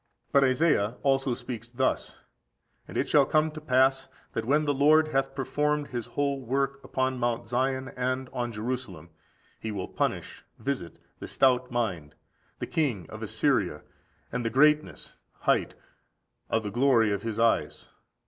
16. But Isaiah also speaks thus: "And it shall come to pass, that when the Lord hath performed His whole work upon Mount Zion and on Jerusalem, He will punish (visit) the stout mind, the king of Assyria, and the greatness (height) of the glory of his eyes.